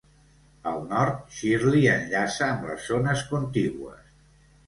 Al nord, Shirley enllaça amb les zones contigües.